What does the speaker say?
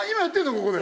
ここで。